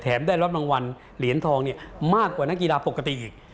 ได้รับรางวัลเหรียญทองมากกว่านักกีฬาปกติอีก